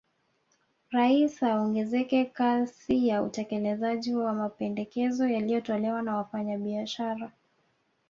Rais aongeze kasi ya utekelezaji wa mapendekezo yaliyotolewa na Wafanyabiashara